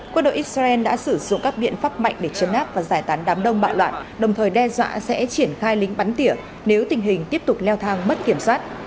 quân đội israel đã sử dụng các biện pháp mạnh để chấn áp và giải tán đám đông bạo loạn đồng thời đe dọa sẽ triển khai lính bắn tiể nếu tình hình tiếp tục leo thang mất kiểm soát